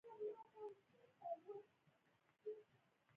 د نرسانو نرم چلند د هر ناروغ درد کموي.